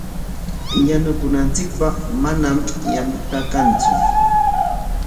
Yanukunanchikpaq manami yanta kantsu.